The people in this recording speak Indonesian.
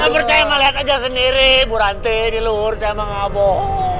gak percaya mah lihat aja sendiri burante nih luur sama ngabok